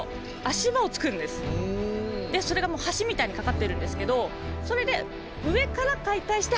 でそれがもう橋みたいに架かってるんですけどそれで上から解体して運ぶ。